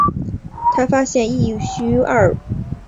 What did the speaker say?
他发现异戊二烯可以从松节油中制备。